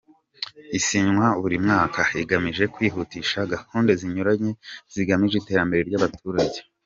Isinywa buri mwaka, igamije kwihutisha gahunda zinyuranye zigamije iterambere ry’ abaturage.